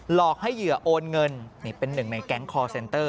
หลอกให้เหยื่อโอนเงินนี่เป็นหนึ่งในแก๊งคอร์เซ็นเตอร์